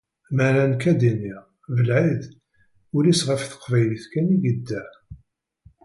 Meɛna nekk a-d-iniɣ : Belɛid, ul-is ɣer teqbaylit kan i yedda.